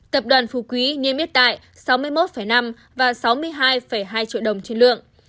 tập đoàn phú quý niêm yết tại sáu mươi một năm và sáu mươi hai hai triệu đồng trên lượng